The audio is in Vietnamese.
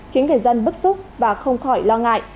khiến người dân bức xúc và không khỏi lo ngại